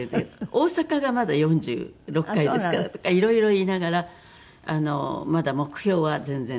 大阪がまだ４６回ですからとか色々言いながらまだ目標は全然。